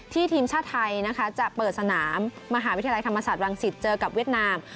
ทีมชาติไทยนะคะจะเปิดสนามมหาวิทยาลัยธรรมศาสตร์วังศิษย์เจอกับเวียดนาม